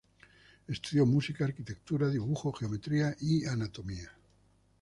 Estudió música, arquitectura, dibujo, geometría y anatomía.